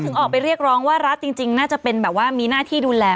ออกไปเรียกร้องว่ารัฐจริงน่าจะเป็นแบบว่ามีหน้าที่ดูแล